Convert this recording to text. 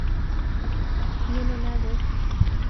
Mieno lagok.